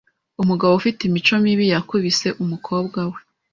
Umugabo ufite imico mibi yakubise umukobwa we .